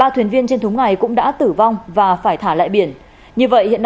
ba thuyền viên trên thúng này cũng đã tử vong và phải thả lại biển